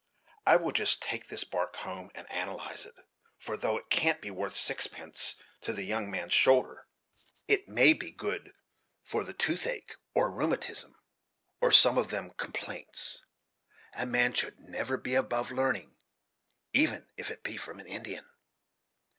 I will just take this bark home and analyze it; for, though it can't be worth sixpence to the young man's shoulder, it may be good for the toothache, or rheumatism, or some of them complaints. A man should never be above learning, even if it be from an Indian."